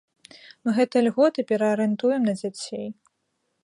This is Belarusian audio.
Мы гэтыя льготы пераарыентуем на дзяцей.